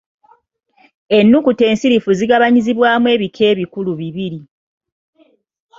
Ennukuta ensirifu zigabanyizibwamu ebika ebikulu bibiri.